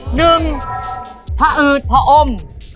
หนึ่งผอืดผอม